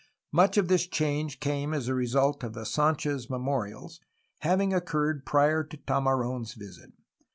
Much of this change came as a result of the Sdnchez memorials, hav ing occurred prior to Tamar6n's visit.